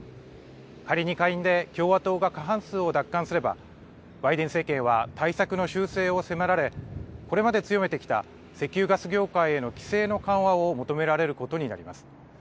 仮に下院で共和党が過半数を奪還すれば、バイデン政権は対策の修正を迫られ、これまで強めてきた石油・ガス業界への規制の緩和を求められることになります。